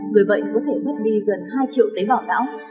người bệnh có thể bất đi gần hai triệu tế bảo đảo